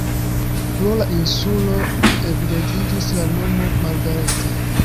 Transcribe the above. Pro la insulo evidentiĝis la nomo Margareta.